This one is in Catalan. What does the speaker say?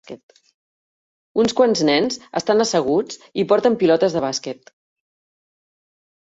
Uns quants nens estan asseguts i porten pilotes de bàsquet.